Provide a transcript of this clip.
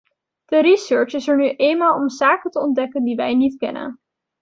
De research is er nu eenmaal om zaken te ontdekken die wij niet kennen.